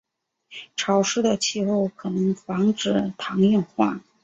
潮湿的气候可能防止糖硬化。